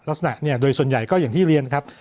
ลักษณะเนี่ยโดยส่วนใหญ่ก็อย่างที่เรียนครับ